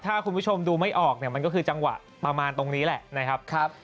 ถ้าคุณผู้ชมดูไม่ออกเนี่ยมันก็คือจังหวะประมาณตรงนี้แหละนะครับ